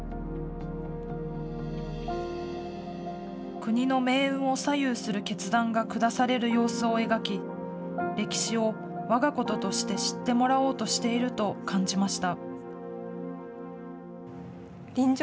国の命運を左右する決断が下される様子を描き、歴史をわがこととして知ってもらおうとしていると感じました。